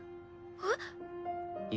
えっ？